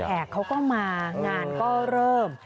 แขกเขาก็มางานก็เริ่ม